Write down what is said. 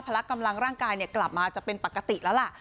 ละกำลังร่างกายกลับมาจะเป็นปกติแล้วล่ะ